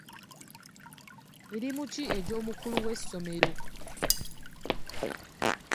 Mirimu ki egy'omukulu w'essomero?